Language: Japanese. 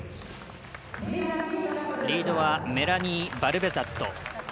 リードはメラニー・バルベザット。